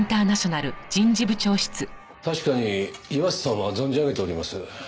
確かに岩瀬さんは存じ上げております。